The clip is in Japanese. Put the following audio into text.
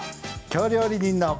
「京料理人の」！